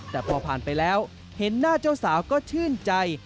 แต่พอผ่านไปแล้วเห็นหน้าเจ้าสาวก็ชื่นใจ